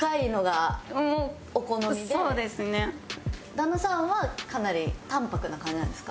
旦那さんはかなり淡泊な感じなんですか？